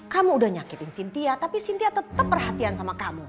kamu udah nyakitin cynthia tapi sintia tetap perhatian sama kamu